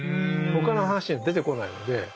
他の話には出てこないので。